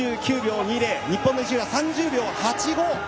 日本の石浦３０秒８５。